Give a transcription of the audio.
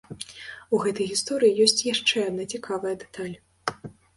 У гэтай гісторыі ёсць яшчэ адна цікавая дэталь.